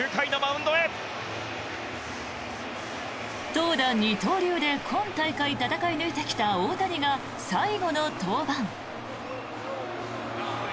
投打二刀流で今大会戦い抜いてきた大谷が最後の登板。